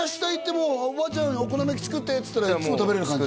もう「おばあちゃんお好み焼き作って」って言ったらいっつも食べれる感じ？